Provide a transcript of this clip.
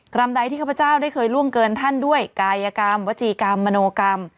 กรรมใดที่ข้าพเจ้าได้เคยล่วงเกินท่านด้วยกายกรรมวจีกรรมมโนกรรม